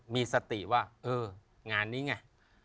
มีสติว่าเอองานนี้ไง